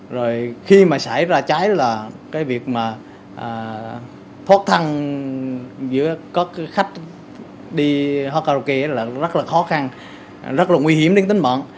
rồi khi mà xảy ra cháy là cái việc mà thoát thăng giữa các khách đi karaoke là rất là khó khăn rất là nguy hiểm đến tính mận